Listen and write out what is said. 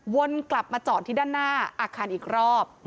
วนกลับมาจอดที่ด้านหน้าอาคารอีกรอบ